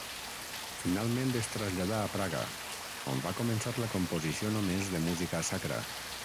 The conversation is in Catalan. Finalment es traslladà a Praga, on va començar la composició només de música sacra.